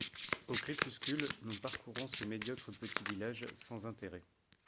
Au crépuscule, nous parcourons ce médiocre petit village sans intérêt.